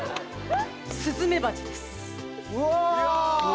スズメバチです。